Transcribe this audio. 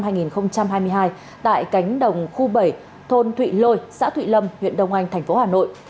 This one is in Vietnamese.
tại cánh đồng khu bảy thôn thụy lôi xã thụy lâm huyện đông anh tp hà nội